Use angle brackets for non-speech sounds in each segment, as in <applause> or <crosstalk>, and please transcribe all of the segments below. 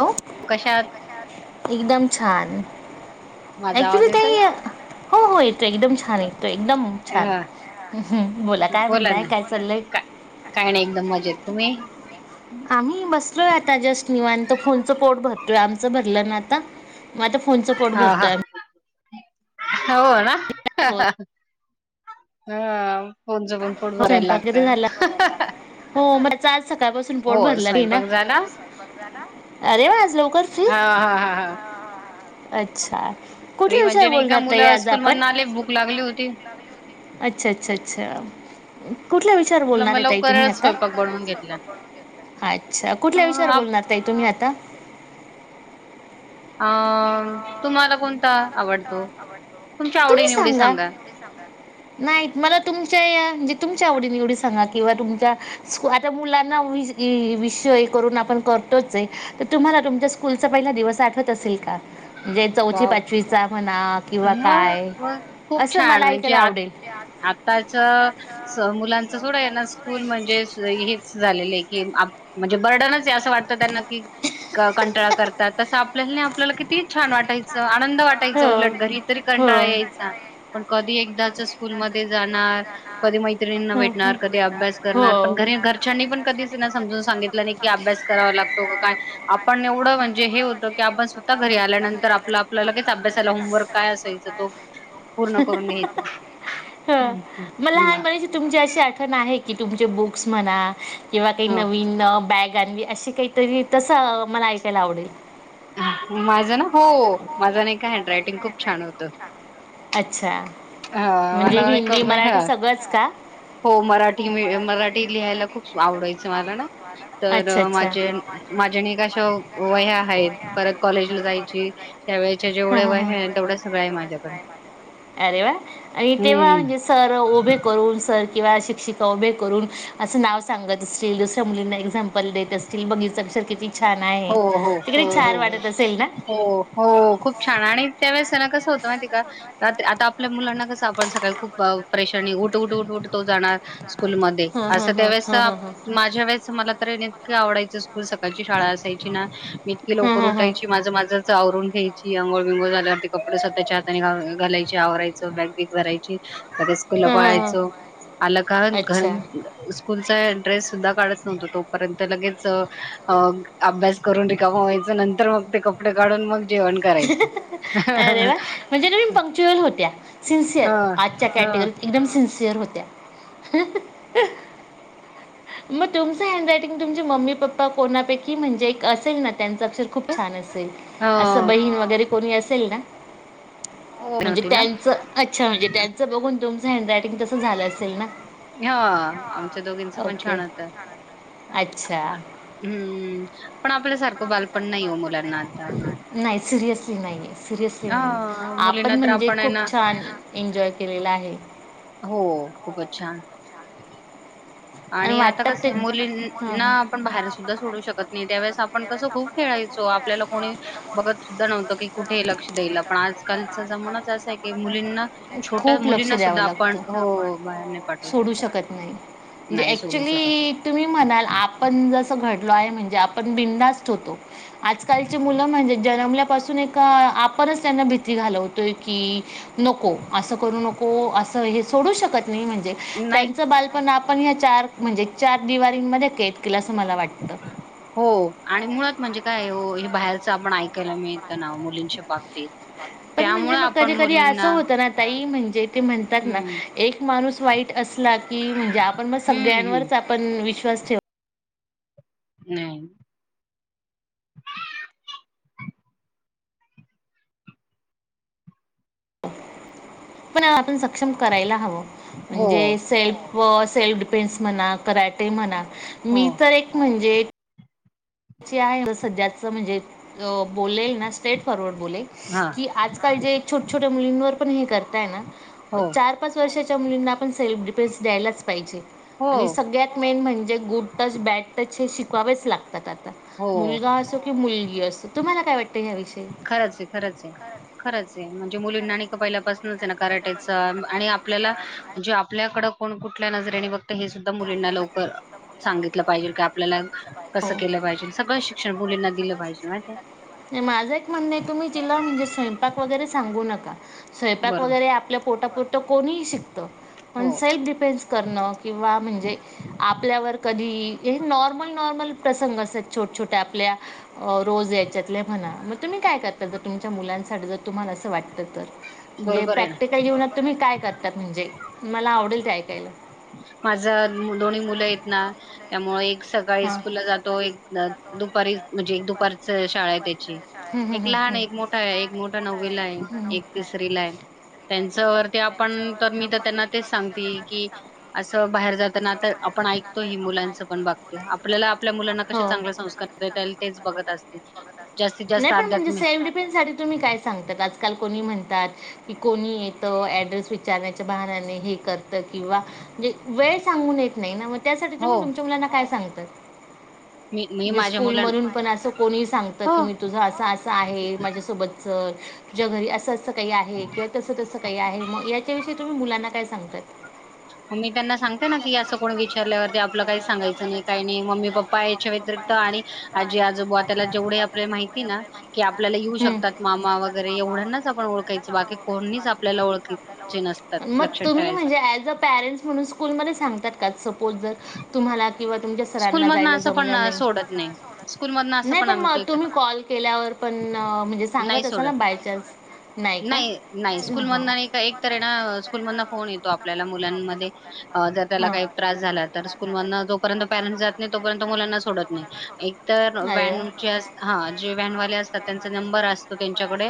हो? कशात? <inaudible> एकदम छान. ऍकंज्युअली ताई, हो हो येतोय एकदम छान येतोय एकदम छान. अह्ह बोला काय म्हणताय? काय चाललंय? काय नायी एकदम मजेत. तुम्ही? आम्ही मत्सलोय आता जस्ट निवांत, फोनचं पोट भरतोय, आमचं भरलं ना आता. म आता फोनचं पट भरतोय आम होना? हह्हह हाआ फोनच पन पोट भराय लागत हो म त्याच आज सकाळपाासून पोट भरलं गेलं अरे वा आज लवकर फ्री अच्छा फ्री म्हणजे नाही का मुलं स्कूलमधन आले भूक लागली होती अच्छा अच्छा अच्छा कुठल्या विषय विषयावर बोलणार आहे ताई तुम्ही आत्ता अच्छा कुठल्या विषयावर बोलणार ताई तुम्ही आता आ तुम्हाला कोणता आवडतो तुमच्या आवडी निवडी सांगा नाही मला तुमच्या या म्हणजे तुमच्या आवडीने एवढी सांगा किंवा तुमच्या आता मुलांना वि विषय करून आपण करतोच आहे तर तुम्हाला तुमच्या स्कूलचा पहिला दिवस आठवत असेल का म्हणजे चौथी पाचवीचा म्हणा किंवा काय असं मला ऐकायला आवडेल आत्ताच मुलांच सोडा ह्यांना स्कूल म्हणजे हेच झालेलं आहे की म्हणजे बर्डनच आहे असं वाटतं त्यांना की का कंटाळा करतात तसं आपल्याला नाही आपल्याला किती छान वाटायचं आनंद वाटायच उलट घरी तरी कंटाळा यायचा पण कधी एकदाच स्कूलमध्ये जाणार कधी मैत्रिणीना भेटणार कधी अभ्यास करणार पण घरी घरच्यानी पण कधी घरातल्यांनी समजून सांगित नाही की अभ्या करावा लागतो का काय आपण एवढं म्हणजे हे होत की आपण स्वतः घरी आल्यानंतर आपलं आपल्या लगेच अभ्यासाला होमवर्क काय असायचं तो पूर्ण करून घ्यायच हू तुमची अशी आठवण आहे की तुमचे बुक्स म्हणा किंवा काही नवीन हा बॅग आणली अशी काहीतरी तस मला ऐकायला आवडेल माझं ना हो माझं नाही का हॅन्ड रायटिंग खूप छान होतं अच्छा म्हणजे हिंदी मराठी सगळंच का हो मराठी मेडि मराठी लिहायला खूप आवडायचं मला ना तर माझे माझ्याने का आशा वह्या आहेत परत कॉलेजला जायचे त्यावेळेच्या जेवढ्या वह्या आहे तेवढ्या सगळं आहे माझ्याकड अरे वा आणि तेव्हा सर उभे करून सर किंवा शिक्षिका उभे करून असं नाव सांगत असतील मुलींना एक्झाम्पल देत असतील बघ हिच अक्षर किती छान आहे ते किती छान वाटत असेल ना हो खूप छान आणि त्यावेळेस आहे ना कसं होतं माहितीये का आता आपल्या मुलांना कसं आपण सकाळी खूप प्रेशरनी उठ उठ उठ उठ तो जाणार स्कूलमध्ये असं त्या वेळेस माझ्या वेळेस मला तर आहे ना इतकं आवडायचं स्कूल सकाळची शाळा असायची असायची ना मी इतकी लवकर उठायची माझं माझं आवरून घ्यायची अंघोळ बिघोळ झाल्यावरती कपडे स्वतःच्या हाताने घ घालायचे आवरायचं बॅग बीग भरायची लगेच स्कूलला पळायचो आलं का घर स्कूलचा ऐ ड्रेस सुद्धा काढत नव्हतो तो पर्यंत लगेच अं अभ्यास करून रिकाम व्हायचं नंतर मग ते कपडे काढून मग जेवण करायचं अरे वा म्हणजे तुम्ही पंक्च्युअल होत्या सिन्सिअर आजच्या कॅटेगिरीत एकदम सिन्सिअर होत्या <unintelligible> म तुमचं हॅन्डरायटिंग तुमची मम्मी पप्पा कोणापैकी म्हणजे एक असेल ना त्यांचं अक्षर खूप छान असेल बहिण वगैरे कोणी असेल ना म्हणजे त्यांच अच्छा म्हणजे त्यांच त्यांचं बघुन तुमचं हॅन्ड रायटिंग तसं झालं असेल ना. ह्या आमच्या दोघींच पण छान होत. हम्म पण आपल्या सारखं बालपण नाही हो मुलांना आता. नाही सिरियसली नाही, सिरियसली नाही आपण म्हणजे खूप छान- एन्जॉय केलेला आहे. हो खूपच छान- आणि आता कसये मुलींना आपण बाहेर सुद्धा सोडू शकत नाही त्यावेळेस आपण- आपण कसं खूप खेळायचो आपल्याला कोणी बघत सुद्धा नव्हतं की कुठे लक्ष द्यायला पण आज- कालचा जमाणाच असं आहे की मुलींना छोट्या मुलींना सुद्धा आप- आपण हो बाहेर नाही पाठवू शकत. म्हणजे ऍक्च्युली तुम्ही म्हणाल आपण जसं घडलो आहे म्हणजे आपण बिंदास्त होतो. आजकालची मुलं म्हणजे जन्मल्यापासून एका आपणच त्यांना भीती घालवतोय की- नको असं करू नको असं हे सोडू शकत नाही म्हणजे त्यांचं बालपण आप आपण या चार म्हणजे चार दिवारींमध्ये कैद केलं असं मला वाटत. हो आणि मुळात म्हणजे काय हो हे बाहेरचं आपण ऐकायला मिळतं ना मुलींच्या बाबतीत पण म्हणजे मग कधी कधी असं होतं ना ताई म्हणजे ते म्हणतात ना एक माणूस वाईट असला की म्हणजे आपण मग सगळ्यांवरच आपण विश्वास ठेव हम् पण आपण सक्षम करायला हवं म्हणजे सेल्फ व सेल्फ डिफेन्स म्हणा, कराटे म्हणा मी तर एक म्हणजे आहे सध्याचं म्हणजे बोलेल ना स्ट्रेट फॉरवर्ड बोलेल हा.... आजकाल जे छोट छोट्या मुलींवर पण हे करताय ना चार पाच वर्षाच्या मुलींना पण सेल्फ डिफेन्स द्यायलाच पाहिजे आणि सगळ्यात मेन म्हणजे गुड टच बॅड टच हे शिकवावेच लागतात आता मुलगा असो कि मुलगी असो, तुम्हाला काय वाटतं याविषयी खरंच आहे खरंच आहे खरंच आहे म्हणजे मुलींना नाही का पहिल्या पासूनच आहे ना करा आणि आपल्याला जे आपल्याकडं कोण कुठल्या नजरेने बघत हे सुद्धा मुलींना लवकर सांगितलं पाहिजे का आपल्याला कसं केलं पाहिजे सगळं शिक्षण मुलींना दिलं पाहिजे माहितेय माझं एक म्हणणं आहे तुम्ही तिला म्हणजे स्वयंपाक वगैरे सांगू नका. स्वयंपाक वगैरे आपल्या पोटा पुरतं कोणीही शिकतं पण सेल्फ डिफेन्स करणं किंवा म्हणजे आपल्यावर कधी इन नॉर्मल नॉर्मल प्रसंग असतं छोट छोट्या आपल्या अ रोज त्यांच्यातले म्हणा म तुम्ही काय करता, जर तुमच्या मुलांसाठी जर तुम्हाला असं वाटतं तर म्हणजे प्रॅक्टिकल जीवनात तुम्ही काय करतात म्हणजे मला आवडेल ते ऐकायला माझं दोन्ही मुलं आहेत ना त्यामुळे एक सकाळी स्कूल जातो एक दुपारी म्हणजे दुपारीच शाळा आहे त्याची एक लहान एक मोठा आहे, एक मोठा नववीला आहे एक तिसरीला आहे. त्यांचवर ते आपण तर मी तर त्यांना तेच सांगतीय की असं बाहेर जाताना आता आपण ऐकतो हे मुलांच पण बगतो आपल्याला आपल्या मुलांना कशे चांगला संस्कार त्याला तेच बघत असते. नाही पण म्हणजे सेल्फ डिफेन्साठी तुम्ही काय सांगतात आजकाल कोणी म्हणतात. कि कोणी येत ऍड्रेस विचारण्याच्या बहनाने हे करत किंवा म्हजे वेळ सांगून येत नाही ना मग त्यासाठी तुम्ही तुमच्या मुलांना काय सांगतात. म्हणजे स्कूल मधून पण असं कोणीही सांगत की मी तुझ असं असं आहे माझ्यासोबत चल तुझ्या घरी असंच तसं काही आहे किंवा तसं तसं काही आहे म याच्याविषयी तुम्ही मुलांना काय सांगताय? आम्ही त्यांना सांगते ना की असं कोणी विचारल्यावरती आपलं काही सांगयचं नाई काय नाई मम्मी पप्पा याच्या व्यतिरिक्त आणि <unintelligible> आजी आजोबा त्यानां जेवढे आपले माहिती ना आपल्या घेऊ शकतात मामा वगैरे एवढे ना सगळं ओळखायचं बाकी कोणीच आपल्याला ओळखत <unintelligible> म तुम्ही म्हणजे अॕज पॅरेन्स म्हणून स्कूलमध्ये सांगतात का सपोज जर तुम्हाला किंवा तुमच्या सरांना जायला जमलं नाही <unintelligible> नाय पण म तुम्ही कॉल केल्यावर पण म्हणजे सांगत असाल ना बाय चान्स नाही नाही स्कूलमधना नाय का एकतर ये ना स्कूलमधना फोन येतो आपल्याला मुलांमध्ये अ जर त्याला काय त्रास झाला तर स्कूलमधन जोपर्यंत पेरेंट्स जात नाय तोपर्यंत मुलांना सोडत नाय एकतर व्हॅन चे अस हा जे व्हॅनवाले अस तात. त्यांचा नंबर असतो त्यांच्याकडे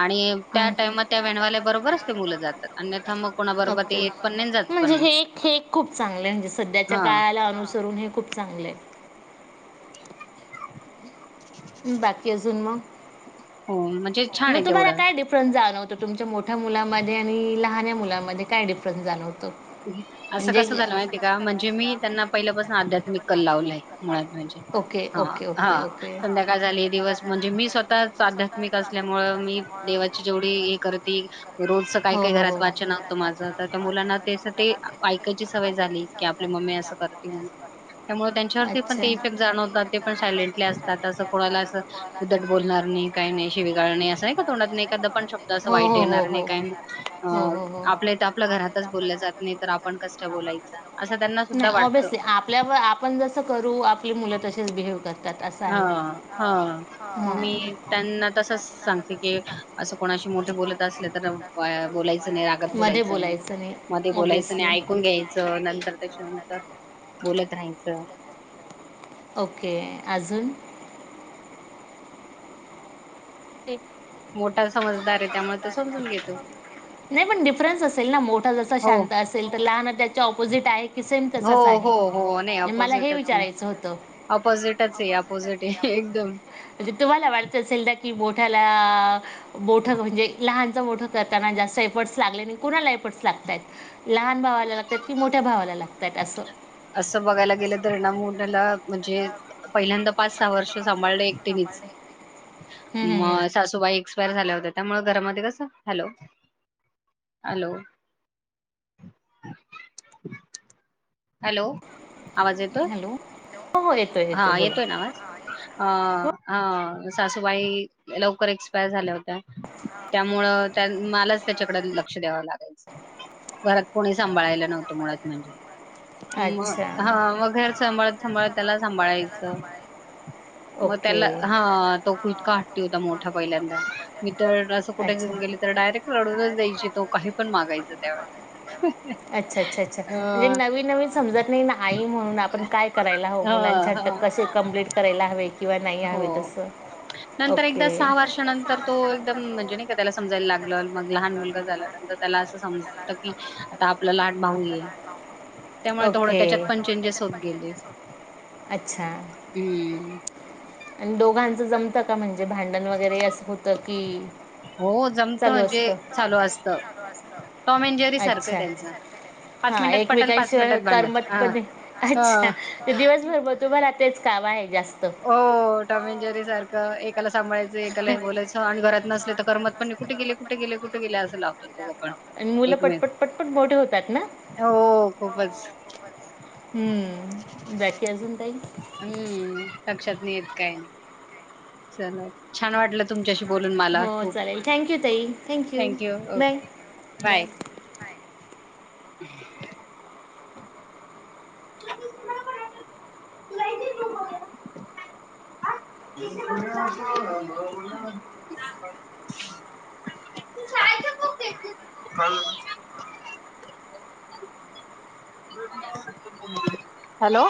आणि त्या टाईमात त्या व्हॅनवाल्याबरोबरच ते मुलं जातात. अन्यथा मग कोणाबरोबर ते येत पण नाय अनं जात म्हणजे हे एक हे एक खूप चांगलंय म्हणजे सध्याच्या काळाला अनुसरून हे खूप चांगलंय. बाकी अजून म हो <unintelligible> म तुम्हाला काय डिफरन्स जाणवतो तुमच्या मोठ्या मुलामध्ये आणि लहण्या मुलांमध्ये काय डिफ फरन जाणवतो. असं कसं झालं माहितीये का म्हणजे मी त्यांना पहिल्यापासून आध्यात्मिक कल लावलाय मुळात म्हणजे. हा हा संध्याकाळ झाली दिवस म्हणजे मी स्वतः आध्या मिक असल्यामुळ मी देवाची जेवढी हे करती - रोज सकाळी काय घरात वाचन होत माझं आता त मुलांना ते स ते ऐकायची सवय झाली की आपली मम्मी असं करते म्हणून त्यामुळ त्यांच्यावरती पण ते इफेक्ट जाणवतात ते पण सायलेंटली असतात असं कोणाला असं उद्धट बोलणार नई. काय नाई शिवीगाळ नाय असं नाय का तोंडातून एखादा पण शब्द असं वाईट येणार नाही काय नाय अ आपल्या इथ आपल्या घरातच बोलल्या जात नाय तर आपण कसकाय बोलायचा असं त्यांना सुद्धा वाटतं. आपल्यावर आपण जसं करू आपली मुलं तसेच बिहेव कर ह ह म मी त्यांना तसच सांगते की असं कोणाशी मोठे बोलत असले तर बोलायचं नाय रागात बोलायचं नाय. मध्ये बोलायचं नाय ऐकून घ्यायचं नंतर त्याच्यानंतर बोलत राहायचं. ओके अजून एक मोठा समजदार ये ना <unintelligible> नाय पण डिफरन्स असेल ना मोठा जसा शां त असेल तर लहाना त्याच्या ऑपोजिट आहे की सेम तसाच आहे मला हे विचारायचं होतं. ऑपोझिटच ये ऑपोझिट ये एकदम म्हणजे तुम्हाला वाटतं असेल ना की मोठ्याला मोठ म्हणजे लहानच मोठं करताना जास्त एफर्ट्स लागले नाय कुणाला एफर्ट्स लागतात? लहान भावाला लागतात की मोठ्या भावाला लागतात असं असं बघायला गेलं तर ना मोठ्यांना म्हणजे पहिल्यांदा पाच सहा वर्ष सांभाळले सांभाळले म सासूबाई एक्सपायर झाल्या होत्या त्यामुळ घरामध्ये कस हॅलो हॅलो हॅलो आवाज येतोय. होहो ये हा येतोय ना आवाज. अ हा सासूबाई लवकर एक्सपायर झाल्या होत्या. त्यामुळं त्या मलाच त्याच्याकडे लक्ष द्यावं लागायचं. घरात कोणी सांभाळायला नव्हतं मुळात म्हणजे. मग हा, मग घर सांभळत सांभळत त्याला सांभाळायच, म त्याला हा हा तो खूपदा हट्टी होता मोठा पहिल्यांदा, मी तर कुठे घेऊन गेली तर डायरेक्ट रडूनच द्यायची, तो काही पण मागायचा त्यावेळे हां. समजत नाही ना, आई म्हणून आपण काय करायला हवं, मुलांचे हट्ट कसे कंप्लीट करायला हवे. किंवा नाही हवे तसं, ओके. नंतर तो एकदम म्हणजे नाही का त्याला समजायला लागलं, मग लहान मुलगा झाल्या नंतर त्याला अस समज की आता आपला लहान भाऊ ये. त्यामुळे थोडं त्याच्यात पण चेंजेस होत गेले. अच्छा. हम्म. आणि दोघांचं जमतं का म्हणजे भांडण वगैरे असं होतं की, हो जमतं म्हणजे चालू असतं, टॉम अँड जेरी सारखं आहे त्यांचं. हा एकमेकांशिवाय करमत पण नाही, अच्छा, ते दिवसभर मग तुम्हाला रा तेच काम आहे जास्त. हो टॉमेंनजेरी सारखं, एकाला सांभाळायचं एकाला हे बोलायचं, आणि घरात नसले तर करमत पण नाहि, कुठे गेले कुठे गेले कुठे गेले अस लावतो बघ. आणि मुलं पटपट पटपट मोठे होतात ना. हो खूपच. हम्म,, बाकी अजून काही. हम्म,, लक्षात नाही येत काय. सर्व छान वाटलं तुमच्याशी बोलून मला खूप, थँक यू ओके. बाय. हम्म. <unintelligible> <inaudible> <unintelligible> <inaudible> शाळेची बुक देत, काय झालं? हॅलो!